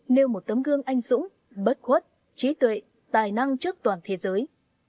nêu một tấm gương anh dũng bất khuất trí tuệ tài năng trước toàn thế giới